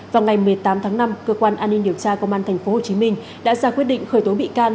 vào ngày một mươi tám tháng năm cơ quan an ninh điều tra công an tp hcm đã ra quyết định khởi tố bị can